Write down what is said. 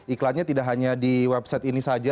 iklannya tidak hanya di website ini saja